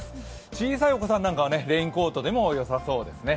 小さいお子さんはレインコートでもよさそうですね。